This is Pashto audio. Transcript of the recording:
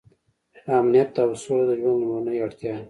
امنیت او سوله د ژوند لومړنۍ اړتیا ده.